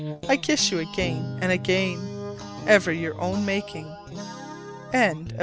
I kiss you again and again. Ever your own making. LETTER XIX.